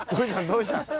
どうしたん？